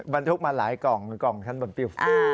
บันทุกมาหลายกล่องหรือกล่องขนบนปิว